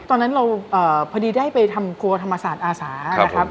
ตอนนั้นเราพอดีได้ไปทำครัวธรรมศาสตร์อาสานะครับ